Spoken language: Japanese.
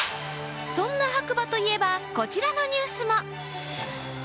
そんな白馬といえばこちらのニュースも。